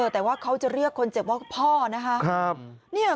แต่ว่าเขาจะเรียกคนเจ็บว่าพ่อนะคะ